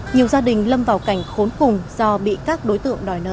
nhiều gia đình lâm vào cảnh khốn cùng do bị các đối tượng đòi nợ